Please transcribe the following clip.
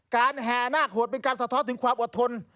แห่นาคโหดเป็นการสะท้อนถึงความอดทน